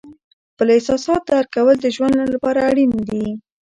خپل احساسات درک کول د ژوند لپاره اړین دي.